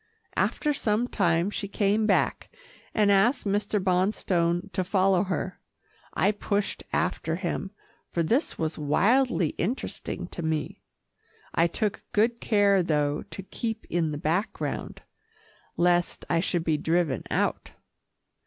After some time she came back, and asked Mr. Bonstone to follow her. I pushed after him, for this was wildly interesting to me. I took good care, though, to keep in the background, lest I should be driven out.